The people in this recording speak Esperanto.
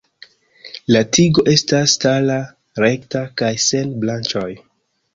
La tigo estas stara, rekta kaj sen branĉoj.